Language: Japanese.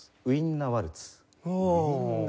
ウィンナ・ワルツ。